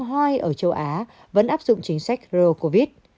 hoài ở châu á vẫn áp dụng chính sách euro covid